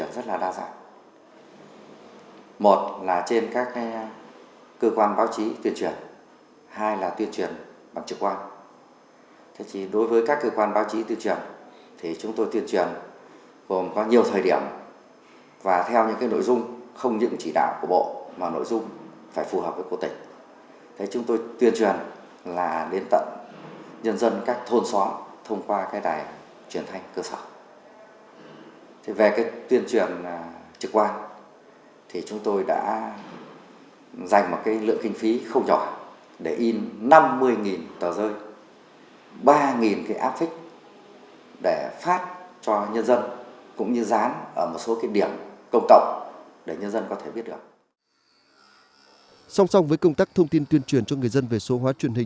ngoài ra công tác thông tin tuyên truyền cho người dân về số hóa truyền hình cũng được đẩy mạnh